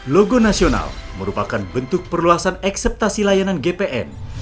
logo nasional merupakan bentuk perluasan ekseptasi layanan gpn